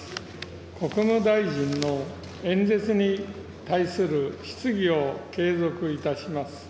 国務大臣の演説に対する質疑を継続いたします。